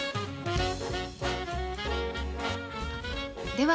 では